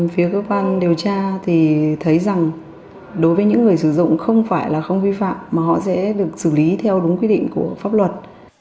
phía cơ quan điều tra thì thấy rằng đối với những người sử dụng không phải là không vi phạm mà họ sẽ được xử lý theo đúng quy định của pháp luật